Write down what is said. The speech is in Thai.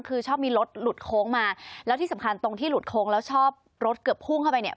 คือชอบมีรถหลุดโค้งมาแล้วที่สำคัญตรงที่หลุดโค้งแล้วชอบรถเกือบพุ่งเข้าไปเนี่ย